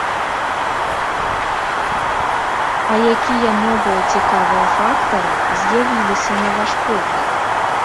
А якія новыя цікавыя фактары з'явіліся, на ваш погляд?